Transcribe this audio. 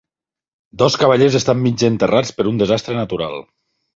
Dos cavallers estan mig enterrats per un desastre natural